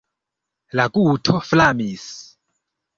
La guto flamis.